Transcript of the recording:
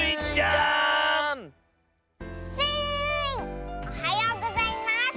おはようございます。